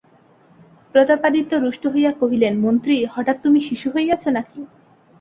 প্রতাপাদিত্য রুষ্ট হইয়া কহিলেন, মন্ত্রী, হঠাৎ তুমি শিশু হইয়াছ নাকি?